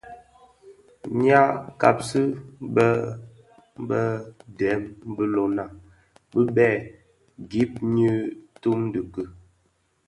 Ňyi kabsi bë bëë dèm bilona bibèè gib nyi tum dhiki.